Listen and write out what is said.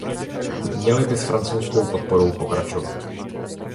Měly by s francouzskou podporou pokračovat.